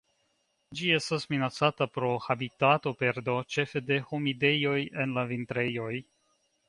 Ĝi estas minacata pro habitatoperdo, ĉefe de humidejoj en la vintrejoj.